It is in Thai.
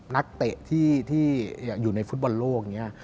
นักเตะที่อยู่ในฟุตบอลโลกนี้